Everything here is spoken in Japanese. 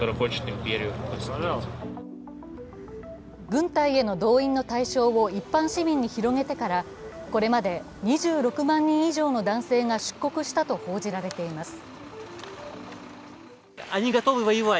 軍隊への動員の対象を一般市民に広げてからこれまで２６万人以上の男性が出国したと報じられています。